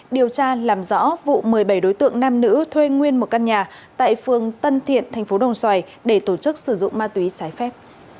điều tra làm rõ vụ một mươi bảy đối tượng nam nữ thuê nguyên một căn nhà tại phường tân thiện tp đồng xoài để tổ chức sử dụng ma túy trái phép